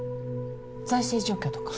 財政状況とか。